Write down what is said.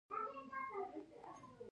کم یې ډیر کیږي.